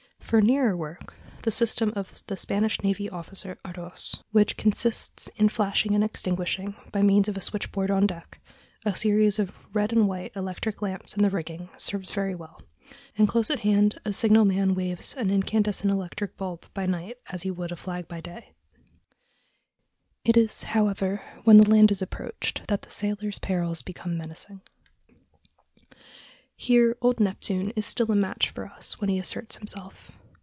For nearer work the system of the Spanish navy officer, Ardois, which consists in flashing and extinguishing, by means of a switchboard on deck, a series of red and white electric lamps in the rigging, serves very well; and close at hand a signal man waves an incandescent electric bulb by night as he would a flag by day. [Illustration: THE "VERY" ROCKET SIGNAL AT SEA.] It is, however, when the land is approached that the sailor's perils become menacing. Here Old Neptune is still a match for us when he asserts himself.